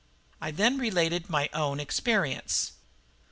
I then related my own experience.